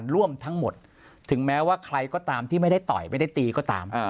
ร่วมทั้งหมดถึงแม้ว่าใครก็ตามที่ไม่ได้ต่อยไม่ได้ตีก็ตาม